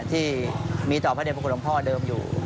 ที่มีต่อพระเด็พระคุณหลวงพ่อเดิมอยู่